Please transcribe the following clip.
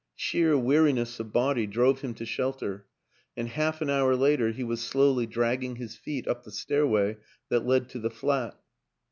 Sheer weariness of body drove him to shelter, and half an hour later he was slowly dragging his feet up the stairway that led to the flat.